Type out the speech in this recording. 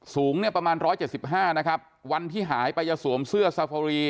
สูงเนี่ยประมาณร้อยเจ็ดสิบห้านะครับวันที่หายไปจะสวมเสื้อซาโฟรี